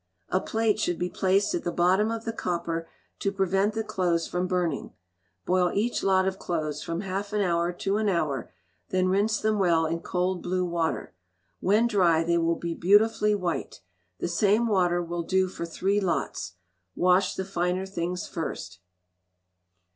A plate should be placed at the bottom of the copper, to prevent the clothes from burning. Boil each lot of clothes from half an hour to an hour, then rinse them well in cold blue water. When dry they will be beautifully white. The same water will do for three lots. Wash the finer things first.